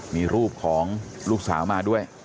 มีรูปของลูกสาวมาด้วย